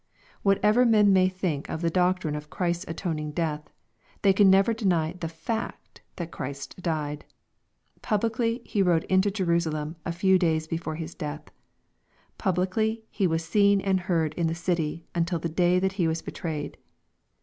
Whatever men may think of the doctrine of Christ's atoning death, they can never deny the fact that Christ died. Publicly He rode into Jerusalem a few davs before His death. Pub licly Hewasseen and heard in the city until the day that He was betrayed.